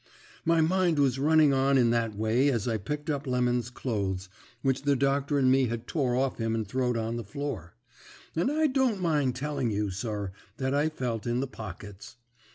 "My mind was running on in that way as I picked up Lemon's clothes, which the doctor and me had tore off him and throwed on the floor; and I don't mind telling you, sir, that I felt in the pockets.